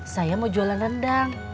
saya mau jualan rendang